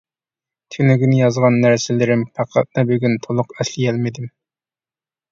تۈنۈگۈن يازغان نەرسىلىرىم پەقەتلا بۈگۈن تۇللۇق ئەسلىيەلمىدىم.